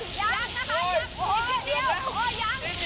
ยังไม่ได้